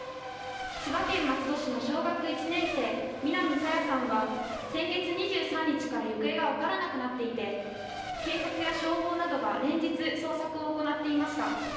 千葉県松戸市の小学１年生、南朝芽さんは先月２３日から行方が分からなくなっていて警察や消防などが連日、捜索を行っていました。